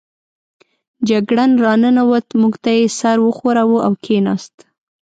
جګړن را ننوت، موږ ته یې سر و ښوراوه او کېناست.